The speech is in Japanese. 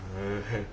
へえ。